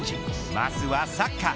まずはサッカー。